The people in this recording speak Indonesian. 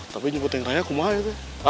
tapi nyebutin kaya kumah itu ya